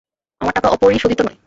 আমার টাকা অ-পরিশোধিত নয়।